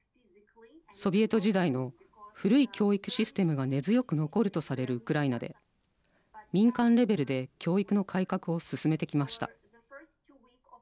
ソビエト時代の古い教育システムが根強く残るとされるウクライナで、民間レベルで教育の改革を進めてきました。